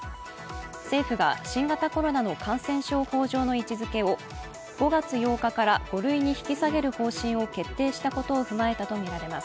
政府が新型コロナの感染症法上の位置づけを５月８日から５類に引き下げる方針を決定したことを踏まえたとみられます。